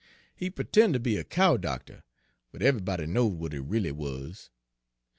He purten' ter be a cow doctor, but eve'ybody knowed w'at he r'al'y wuz.